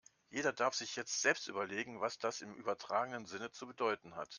Jeder darf sich jetzt selbst überlegen, was das im übertragenen Sinne zu bedeuten hat.